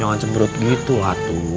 jangan cemberut gitu atu